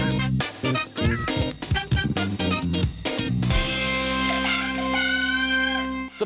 นี้เอง